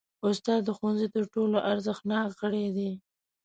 استاد د ښوونځي تر ټولو ارزښتناک غړی دی.